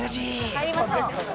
入りましょう。